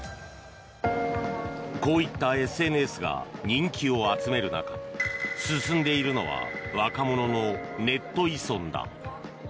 こういったＳＮＳが人気を集める中進んでいるのは若者のネット依存だ。